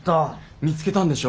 見つけたんでしょ？